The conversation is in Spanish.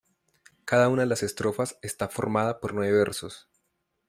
Cada una de las estrofas está formada por nueve versos.